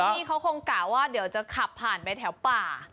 ที่เขาคงกะว่าเดี๋ยวจะขับผ่านไปแถวป่า